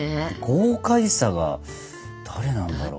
豪快さが誰なんだろう。